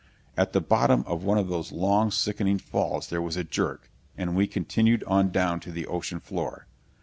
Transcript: At the bottom of one of those long, sickening falls there was a jerk and we continued on down to the ocean floor!